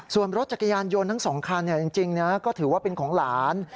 ส่วนรถจักรยานยนต์ทั้งสองคันจริงก็ถือว่าเป็นของหลาน